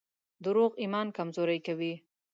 دروغ ایمان کمزوری کوي.